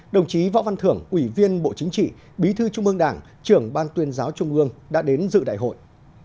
đồng chí võ văn thưởng ủy viên bộ chính trị bí thư trung ương đảng trưởng ban tuyên giáo trung ương đã đến dự đại hội